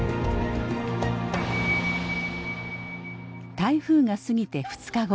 台風が過ぎて２日後。